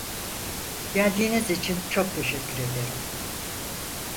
Geldiğiniz için çok teşekkür ederim.